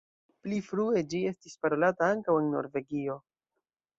Pli frue ĝi estis parolata ankaŭ en Norvegio.